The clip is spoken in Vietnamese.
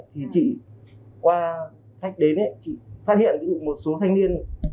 thì chị qua khách đến chị phát hiện một số thanh niên